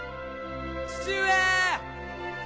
父上！